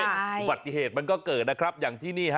อุบัติเหตุมันก็เกิดนะครับอย่างที่นี่ฮะ